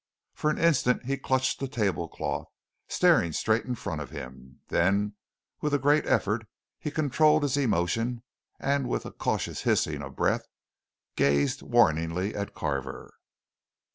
For an instant he clutched the tablecloth, staring straight in front of him; then with a great effort he controlled his emotion and with a cautious hissing of his breath, gazed warningly at Carver.